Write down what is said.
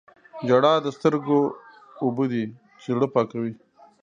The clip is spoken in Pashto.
• ژړا د سترګو اوبه دي چې زړه پاکوي.